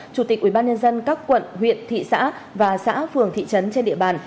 chủ tịch ubnd các quận huyện thị xã và xã phường thị trấn trên địa bàn